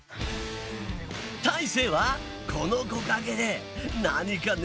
たいせいはこの木陰で何かねらってるぞ！